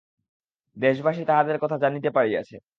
দেশবাসী তাহাদের কথা জানিতে পারিয়াছে।